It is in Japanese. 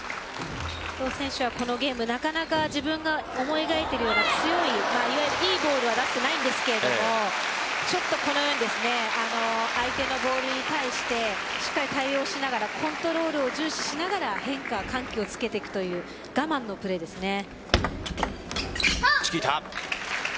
伊藤選手はこのゲームなかなか自分が思い描いているような強いいいボールは出せていないんですけどこのようにですね相手のボールに対してしっかり対応しながらコントロールを重視しながら変化、緩急をつけていくという我慢のプレーですね。